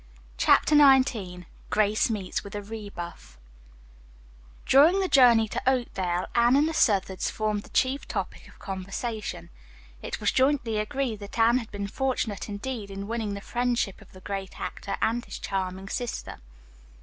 CHAPTER XIX GRACE MEETS WITH A REBUFF During the journey to Oakdale, Anne and the Southards formed the chief topic of conversation. It was jointly agreed that Anne had been fortunate indeed in winning the friendship of the great actor and his charming sister.